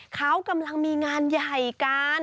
เขากำลังมีงานใหญ่กัน